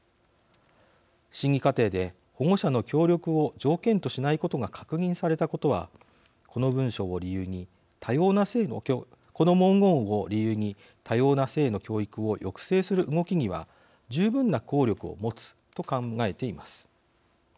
審議過程で保護者の協力を条件としないことが確認されたことはこの文章を理由にこの文言を理由に多様な性の教育を抑制する動きには十分な効力を持つと考えています。